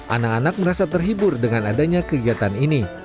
anak anak merasa terhibur dengan adanya kegiatan ini